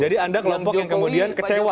jadi anda kelompok kemudian kecewa